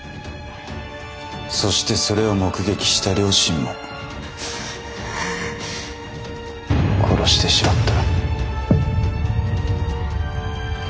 そしてそれを目撃した両親も殺してしまった。